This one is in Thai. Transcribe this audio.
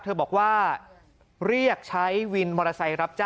ขอบคุณครับ